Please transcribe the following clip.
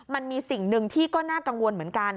มันมีสิ่งหนึ่งที่ก็น่ากังวลเหมือนกัน